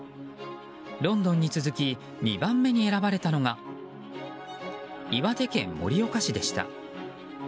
ロンドンに続き２番目に選ばれたのが岩手県盛岡市でした。